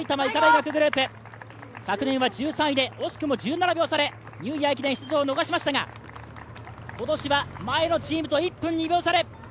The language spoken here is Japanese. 昨年は１３位で惜しくも１７秒差でニューイヤー駅伝出場を逃しましたが、今年は前のチームと１分２秒差。